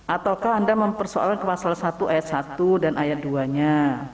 ataukah anda mempersoalkan pasal satu ayat satu dan ayat dua nya